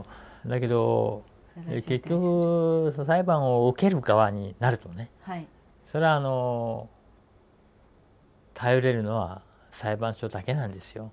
だけど結局裁判を受ける側になるとねそれは頼れるのは裁判所だけなんですよ。